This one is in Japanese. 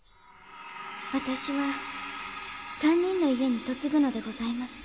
私は３人の家に嫁ぐのでございます。